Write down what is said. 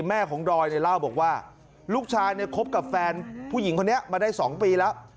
แม่ของดอยเนี่ยเล่าบอกว่าลูกชายเนี่ยคบกับแฟนผู้หญิงคนนี้มาได้๒ปีแล้ว